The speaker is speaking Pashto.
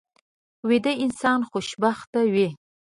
ویده انسان خوشبخته وي